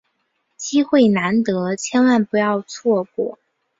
机会难得，千万不要错过！